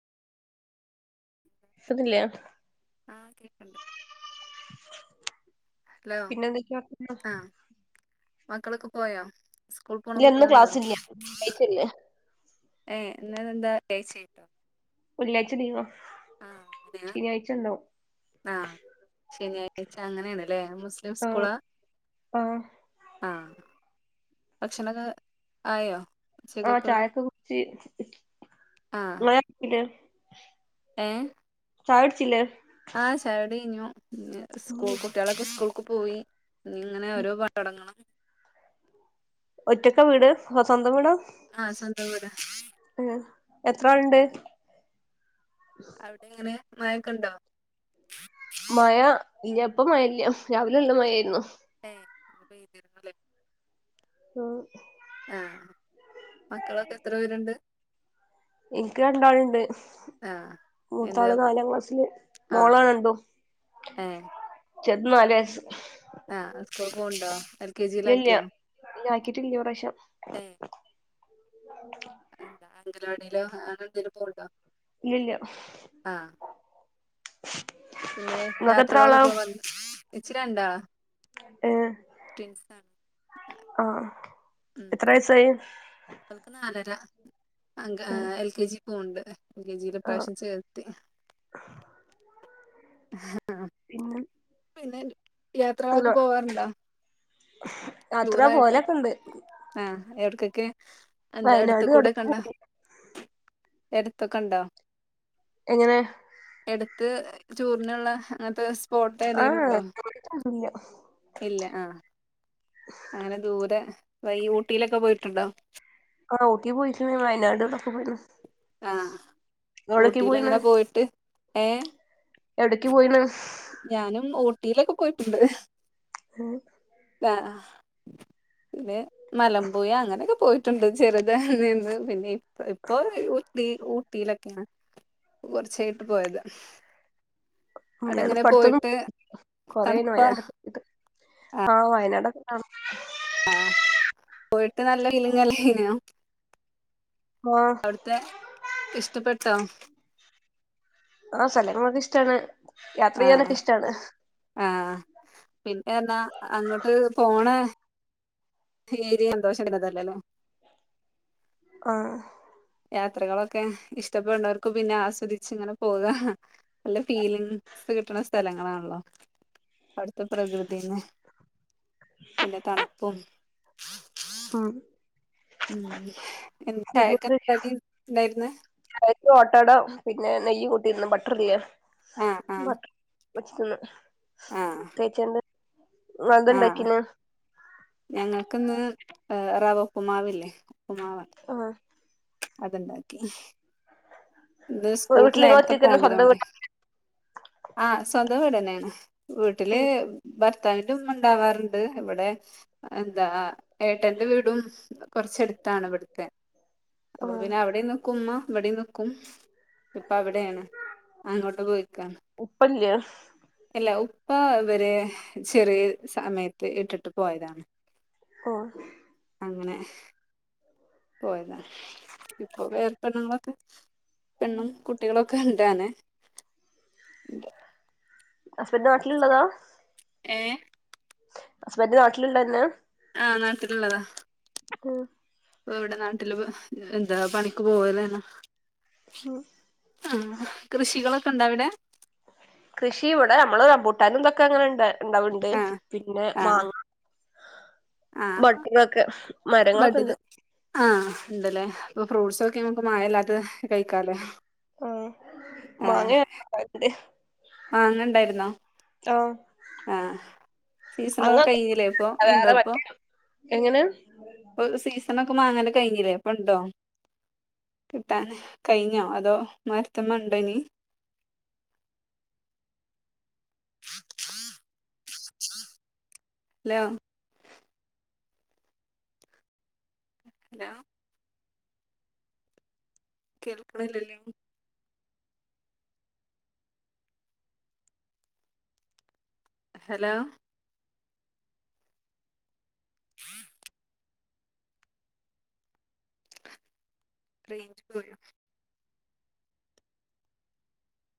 കേക്ക്ന്നില്ലേ? ആഹ് കേക്കണ്ട്, ഹലോ പിന്നെ എന്തൊക്കെയാ വർത്താനം ആഹ് മക്കളൊക്കെ പോയോ?. സ്കൂൾ പോണ ഇല്ല ഇന്ന് കുട്ടികളുണ്ടോ ക്ലാസില്ല. ശെനിഴായിച്ചല്ലേ ഏയ് എന്നെതെന്താ ടേഷ്യയ്ട്ടോ?. വെള്ളിയാഴ്ച ലീവാ അങ്ങനെയാ ശനിയാഴ്ച ഇണ്ടാവും. ആഹ് ശനിയാഴ്ച അങ്ങനെയാണ് ല്ലേ? മുസ്ലിം ആഹ് സ്കൂളാ? ആഹ് ആഹ് ഭക്ഷണൊക്കെ ആയോ? ആഹ് ഉച്ചക്കൊക്കുള്ള ചായൊക്കെ കുടിച്ച് [unintelligible] ആഹ് ഏഹ് ചായോടിച്ചില്ലേ? ആഹ് ചായോടി കഴിഞ്ഞു സ്കൂൾ കുട്ടികളൊക്കെ സ്കൂൾക്ക് പോയി ഇങ്ങനെ ഓരോ പണി തൊടങ്ങണം ഒറ്റക്ക വീട്? തോ സ്വന്തം വീടാ? ആഹ് സ്വന്തം വീടാ അയെ എത്രാൾണ്ട്? ആഹ് അവിടെ എങ്ങനെ മഴക്കെണ്ടോ? മഴ ഇല്ല ഇപ്പം മഴല്ല രാവിലെ നല്ല മഴയായിരുന്നു. ഏഹ് മഴ പെയ്തിരുന്നല്ലെ ആഹ ആഹ മക്കളൊക്കെ എത്ര പേരുണ്ട് എനിക്ക് രണ്ടാൾ ഇണ്ട് ആഹ് എന്താ മൂത്താള് നാലാം ക്ലാസ്സില് ആഹ് മോളാണ എന്തോ ഏഹ് ചെന്ന നല് ആഹ സ്കഭം ഉണ്ടോ ഇല്ല ഇല്ല ആക്കിട്ടില്ല ഈ പ്രാവശ്യം ഏഹ് എന്താ അങ്കലവാടിയിലോ അങ്ങനെ എന്തേലും പോണ്ടോ ഇല്ലല്ല പിന്നെ യാത്രകളൊക്കെ പോ ഇച്ചിരി ഇണ്ടാ ഏ ട്വിൻസ് ആണ് ആഹ എത്ര വയസായി അവൾക്ക് നാലര അഗ എൽ കെ ജി പോവണ്ട് എൽ കെ ജിൽഈ ആഹ് പ്രാവശ്യം ചേർത്ത് [unintelligible] ആഹ പിന്നെ പിന്നെ അല്ല യാത്രകളൊക്കെ പോവാറുണ്ടാ [inaudible] ടൂറായിട്ട് പോലൊക്കെണ്ട് ആഹ എവിടെക്കൊക്കെ എന്താ അടുത്ത വയനാട് കൂടെ അടുത്ത് കണ്ട പോയി എടുത്ത കണ്ട എങ്ങനെ എടുത്ത് ടൂർനുള്ള അങ്ങനത്തെ സ്പോട്ട് ഏതെങ്കിലും ആഹ് ഉണ്ടോ ഇല്ല ഇല്ല ആഹ അങ്ങനെ ദൂരെ ഈ ഊട്ടിയിലൊക്കെ പോയിട്ടുണ്ടോ ആഹ ഊട്ടി പോയിക്കാണ് വയനാട്ള്ളൊക്കെ പോയി ആഹ് ഊട്ടിൽ എങ്ങനെ പോയിട്ട് ഏ എവിടക്ക് പോയിണ് ഞാനും ഓട്ടിയിലൊക്കെ പോയിട്ടുണ്ട് ആഹ ആഹ പിനെ മലംമ്പോയി അങ്ങനെയൊക്കെ പോയിട്ട് ണ്ട് ചെറുതന്ന് പിന്നെ ഇപ്പൊ ഊടി ലൊക്കെയാണ് കുറച്ചായിട്ട് പോയത് അവിടെങ്ങനെ ഞാനിപ്പ അടുത്തൊന്നും പോയിട്ട് തണുപ്പ ആഹ വയനാടൊക്കെ കാ ആഹ് പോയിട്ട് നല്ല കലിങ്ങല്ലേ ഇന [inaudible] ആഹ് അവിടുത്തെ ഇഷ്ടപ്പെട്ടോ ആഹ സ്ഥലങ്ങളൊക്കെ ഇഷ്ടാണ് യാത്ര ആഹ് ചെയ്യാനൊക്കെ ഇഷ്ടാണ് ആഹ് പിന്നെ എന്നാ അങ്ങോട്ട് പോണ തീരെ സന്തോഷം ഇതല്ലല്ലോ ആഹ് യാത്രകളൊക്കെ ഇഷ്ടപ്പെടുന്നവർക്കും പിന്നെ ആസ്വദിച്ച് ഇങ്ങനെ പോകാ നല്ല ഫീലിങ്സ് കിട്ടണ സ്ഥലങ്ങളാണല്ലോ അവിട്ത്തെ പ്രകൃതിന്ന് പിന്നെ തണുപ്പും ആഹ് ഉം എന്താ ചായക് എന്താ കടി ണ്ടായിരുന്നെ ചായക് ഓട്ടട പിന്നെ നെയ്യ് കൂട്ടിയിന്ന് ബട്ടർലേ ആഹ് ആഹ് ബട്ടർ വച്ചിതിന്ന് ആഹ് തേച്ചണ്ട് അത് ആഹ് ണ്ടാക്കിന് ഞങ്ങൾക്കിന്ന് റവഉപ്പുമാവില്ലേ ഉപ്പുമാവാ ആഹ് അത്ണ്ടാക്കി ന്ന് നിങ്ങളെ സ്കൂൾക്ക് വീട്ടില് നിങ്ങള് നേരത്തെ ഒറ്റക്കന്നെ സ്വന്തം പോണ്ടതൊണ്ടേ വീട് ആഹ് സ്വന്തം വീട്ന്നെയാണ് വീട്ടില് ഭർത്താവിന്റെ ഉമ്മണ്ടാവാറ്ണ്ട് ഇവിടെ എന്താ ഏട്ടന്റെ വീടും കൊറച്ചടുത്താണ് ഇവിട്ത്തെ ആ അപ്പൊ പിന്നെ അവിടേം നിക്കുമ്മ ഇവിടെ നിക്കും ഇപ്പൊ അവിടെയാണ് അങ്ങോട്ട് പോയിക്കാണ് ഉപ്പല്ലേ ഇല്ല ഉപ്പ ഇവരെ ചെറിയ സമയത്ത് ഇട്ടിട്ട് പോയതാണ് ഓഹ് അങ്ങനെ പോയതാണ് ഇപ്പൊ വേറപ്പെണ്ണങ്ങളൊക്കെ പെണ്ണും കുട്ടികളൊക്കെ ഉണ്ടാനെ ഹസ്ബൻഡ് നാട്ടിലുള്ളതാ ഏഹ് അസ്ബന്റു നാട്ടില്ള്ളന്നാ ആഹ് നാട്ടിലുള്ളതാ അഹ്‌ ഇപ്പ ഇവിടെ നാട്ടില് എന്താ പണിക്ക് പോവലന്ന ഉം ആഹ് കൃഷികളൊക്കെ ഇണ്ട അവിടെ കൃഷി ഇവിടെ നമ്മള് റമ്പൂട്ടാന് ഇന്തൊക്കെ അങ്ങനെണ്ടാ ണ്ടാവണ്ട് ആ പിന്നെ ആ മാങ്ങ ആ ബട്ടിങ്ങോക്കെ മരങ്ങളൊക്കെണ്ട് ആഹ് ണ്ട്ല്ലേ അപ്പൊ ഫ്രൂട്ട്സൊക്കെ ങ്ങക്ക് മായല്ലാതത് കഴികാല്ലേ ആഹ് മാങ്ങ [unintelligible] ണ്ട്‌ മാങ്ങണ്ടായിരുന്നോ ആഹ് ആ സീസണൊക്കെ കഴിഞ്ഞില്ലേ ഇപ്പോ ണ്ടോ വേറെ ഇപ്പോ മറ്റേ എങ്ങനെ സീസണൊക്കെ മാങ്ങന്റെ കഴിഞ്ഞില്ലേ ഇപ്പ ഉണ്ടോ കിട്ടാന് കഴിഞ്ഞോ അതോ മരത്ത്മ്മ ഉണ്ടോനി [inaudible] ഹലോ ഹലോ കേൾക്ക്ണില്ലല്ലോ ഹലോ [inaudible] റേഞ്ച് പോയോ